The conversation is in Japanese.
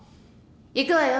行くわよ